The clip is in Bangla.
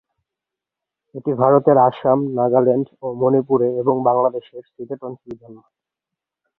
এটি ভারতের আসাম, নাগাল্যান্ড ও মণিপুরে, এবং বাংলাদেশের সিলেট অঞ্চলে জন্মায়।